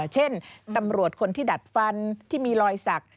เช่นตำรวจคนที่ดัดฟันที่มีรอยสัก